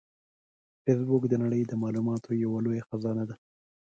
فېسبوک د نړۍ د معلوماتو یوه لویه خزانه ده